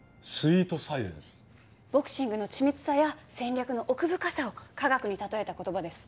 ボクシングの緻密さや戦略の奥深さを科学に例えた言葉です。